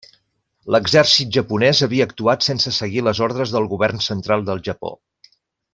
L'exèrcit japonès havia actuat sense seguir les ordres del govern central del Japó.